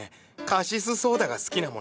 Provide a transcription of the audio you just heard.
カシスソーダが好きなもので。